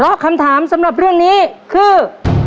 เพราะคำถามสำหรับเรื่องนี้คือ